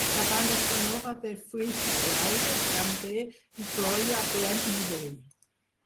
La banda sonora de "Freaky Friday" també incloïa "Brand new day".